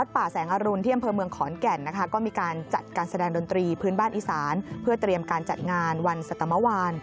เพื่อเตรียมการจัดงานวันสัตว์เมื่อวาน